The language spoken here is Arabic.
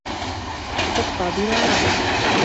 ستبقى بلا عمل.